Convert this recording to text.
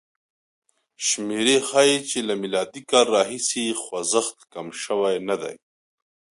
شمېرې ښيي چې له م کال راهیسې خوځښت کم شوی نه دی.